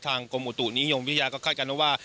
ทางกรมอุตุนิโยงวิทยาก็คาดกันว่า